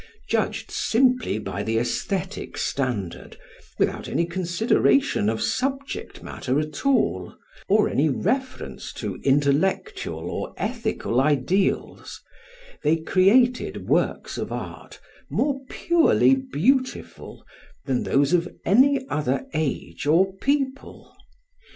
Judged simply by the aesthetic standard, without any consideration of subject matter at all, or any reference to intellectual or ethical ideals, they created works of art more purely beautiful than those of any other age or people.